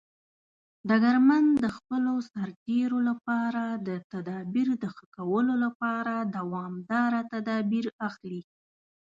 ډګرمن د خپلو سرتیرو لپاره د تدابیر د ښه کولو لپاره دوامداره تدابیر اخلي.